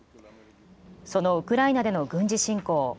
そのウクライナでの軍事侵攻。